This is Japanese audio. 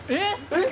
えっ。